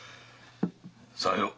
さよう。